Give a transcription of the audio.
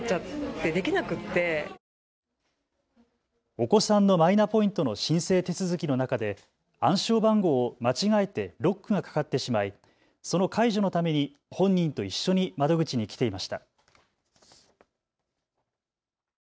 お子さんのマイナポイントの申請手続きの中で暗証番号を間違えてロックがかかってしまいその解除のために本人と一緒に窓口に来ていました。